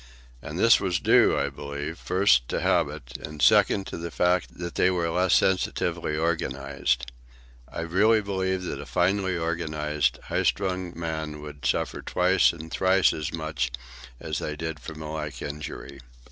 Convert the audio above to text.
And this was due, I believe, first, to habit; and second, to the fact that they were less sensitively organized. I really believe that a finely organized, high strung man would suffer twice and thrice as much as they from a like injury.